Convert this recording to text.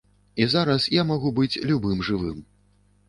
І зараз я магу быць любым жывым.